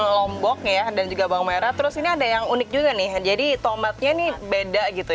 lombok ya dan juga bawang merah terus ini ada yang unik juga nih jadi tomatnya ini beda gitu